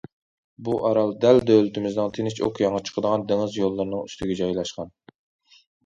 بۇ ئارال دەل دۆلىتىمىزنىڭ تىنچ ئوكيانغا چىقىدىغان دېڭىز يوللىرىنىڭ ئۈستىگە جايلاشقان.